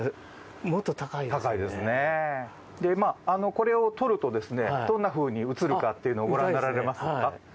これを撮るとどんなふうに映るかご覧になられますか？